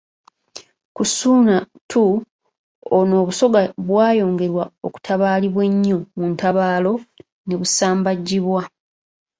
Ku Ssuuna II ono Obusoga bwayongerwa okutabaalibwa ennyo mu ntabaalo ne busambajjibwa.